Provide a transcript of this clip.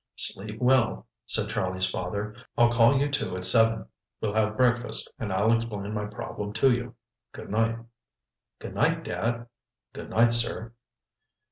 "Sleep well," said Charlie's father. "I'll call you two at seven. We'll have breakfast and I'll explain my problem to you. Good night." "Good night, Dad." "Good night, sir."